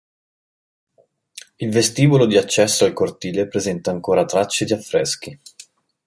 Il vestibolo di accesso al cortile presenta ancora tracce di affreschi.